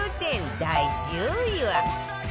第１０位は